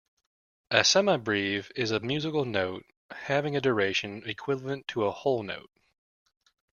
A semibrieve is a musical note having a duration equivalent to a whole note